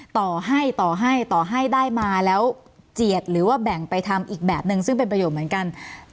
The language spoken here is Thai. ต่อให้ต่อให้ต่อให้ได้มาแล้วเจียดหรือว่าแบ่งไปทำอีกแบบนึงซึ่งเป็นประโยชน์เหมือนกัน